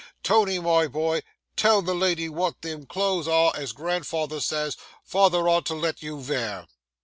Tony, my boy, tell the lady wot them clothes are, as grandfather says, father ought to let you vear.